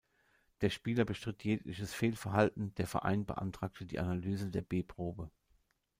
Der Spieler bestritt jegliches Fehlverhalten, der Verein beantragte die Analyse der B-Probe.